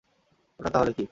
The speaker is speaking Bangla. ওটা তাহলে কী?